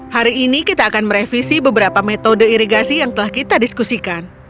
hari ini kita akan merevisi beberapa metode irigasi yang telah kita diskusikan